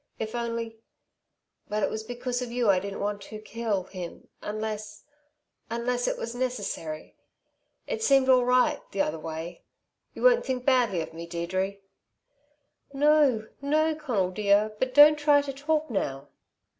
If only But it was because of you I didn't want to kill him unless unless it was necessary. It seemed all right the other way You won't think badly of me, Deirdre?" "No, no, Conal dear, but don't try to talk now."